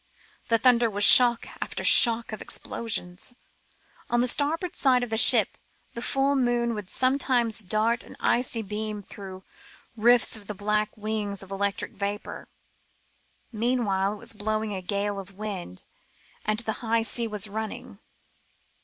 The thunder was shock after shock of explosions. On the starboard side of the ship the full moon would some times dart an icy beam through rifts in the black wings of electric vapour. Meanwhile it was blowing a gale of wind, and a high sea was running.